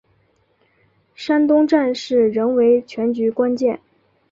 山东战事仍为全局关键。